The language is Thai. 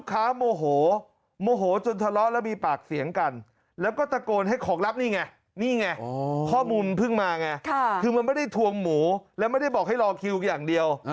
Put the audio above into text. ค่ะคือมันไม่ได้ทวงหมูและไม่ได้บอกให้รอคิวอย่างเดียว